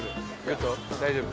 大丈夫？